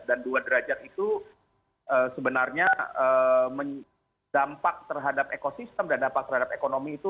dan dua derajat itu sebenarnya dampak terhadap ekosistem dan dampak terhadap ekonomi itu